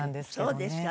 そうですか。